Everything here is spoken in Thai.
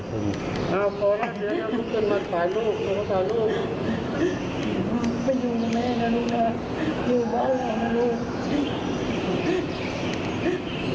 เป็นอยู่ไหนแล้วลูกการอยู่บ้านของลูก